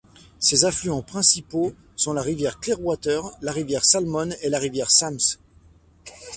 Ses affluents principaux sont la rivière Clearwater, la rivière Salmon et la rivière Sams.